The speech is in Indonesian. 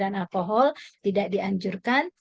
kandungan alkohol tidak dianjurkan